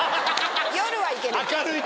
夜はいける。